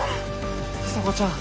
里紗子ちゃん。